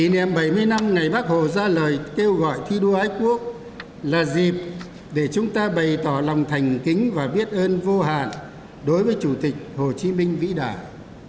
năm một nghìn chín trăm bảy mươi năm ngày bác hồ ra lời kêu gọi thi đua ái quốc là dịp để chúng ta bày tỏ lòng thành kính và biết ơn vô hạn đối với chủ tịch hồ chí minh vĩ đại